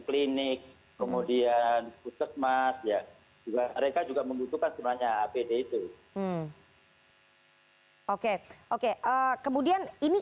klinik kemudian puskesmas ya juga mereka juga membutuhkan sebenarnya apd itu oke oke kemudian ini